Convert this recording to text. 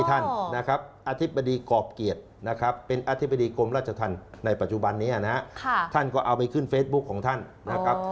ท่านก็เอาไปขึ้นเฟซบุ๊คของท่านนะครับ